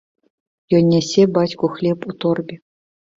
Ён нясе бацьку хлеб у торбе.